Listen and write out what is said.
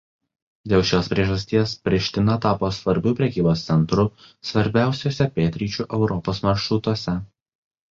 Dėl šios priežasties Priština tapo svarbiu prekybos centru svarbiausiuose pietryčių Europos maršrutuose.